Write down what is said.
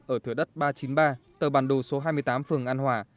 ở thửa đất ba trăm chín mươi ba tờ bản đồ số hai mươi tám phường an hòa